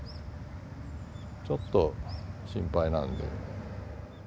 ちょっと心配なので。